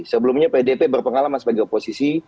sebelumnya pdp berpengalaman sebagai oposisi